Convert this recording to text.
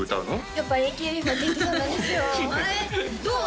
やっぱＡＫＢ４８さんなんですよええどう？